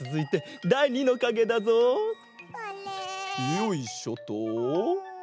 よいしょと。